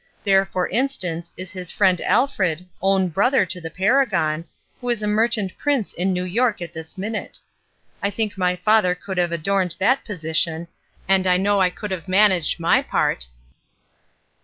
There, for instance, is his friend Alfred, own brother to the paragon, who is a merchant prince in New York at this minute. I think my father could have adorned that pod "WHAT'S IN A NAME?" 7 tion; and I know I could have managed my part."